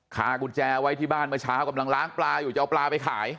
กุญแจไว้ที่บ้านเมื่อเช้ากำลังล้างปลาอยู่จะเอาปลาไปขาย